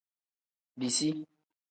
Bisi.